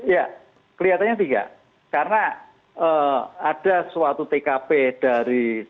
ya kelihatannya tidak karena ada suatu tkp dari saguling kepada durian sawit